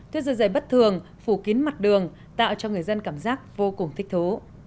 tuyết rơi dày bất thường phủ kín mặt đường tạo cho người dân cảm giác vô cùng thích thú